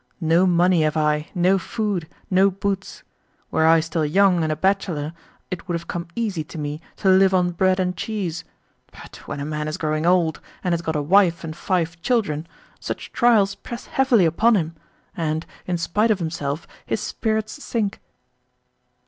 No money have I, no food, no boots. Were I still young and a bachelor, it would have come easy to me to live on bread and cheese; but when a man is growing old, and has got a wife and five children, such trials press heavily upon him, and, in spite of himself, his spirits sink."